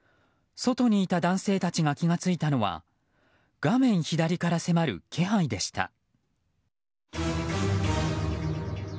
外にいた男性たちが気が付いたのは画面左から迫る気配でした。